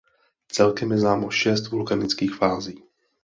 Celkem je známo šest vulkanických fází.